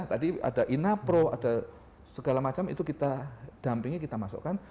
tadi ada ina pro ada segala macam itu kita dampingi kita masukkan